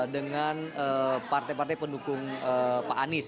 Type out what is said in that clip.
dengan partai partai pendukung pak anies